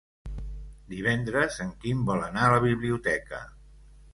Divendres en Quim vol anar a la biblioteca.